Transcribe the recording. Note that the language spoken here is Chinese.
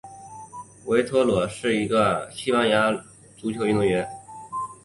维托洛是一位西班牙足球运动员。